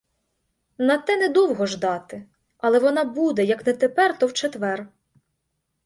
На те не довго ждати, але вона буде, як не тепер, то в четвер.